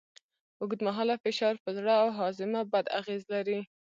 اوږدمهاله فشار پر زړه او هاضمه بد اغېز لري.